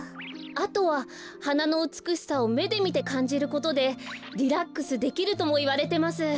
あとははなのうつくしさをめでみてかんじることでリラックスできるともいわれてます。